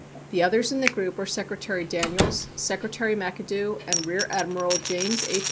The others in the group are Secretary Daniels, Secretary McAdoo, and Rear Admiral James H.